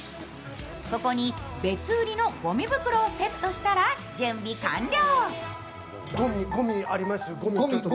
底に別売りのごみ袋をセットしたら準備完了。